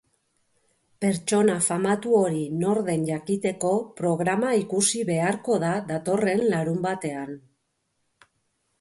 Pertsona famatu hori nor den jakiteko programa ikusi beharko da datorren larunbatean.